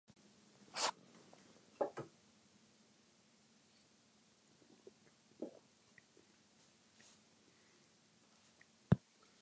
傷心の三人は一攫千金を狙って一路コンゴの海に向かう。凱旋門の件でマヌーを騙したヴェルタンから訊きだした話によれば、そこには数年前のコンゴ動乱の際に国外脱出を図って墜落した飛行機が、莫大な財宝を積んだまま沈んでいるというのである。